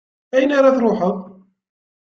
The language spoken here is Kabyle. Ayen ara truḥeḍ?